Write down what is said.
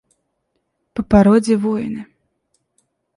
По породе воины.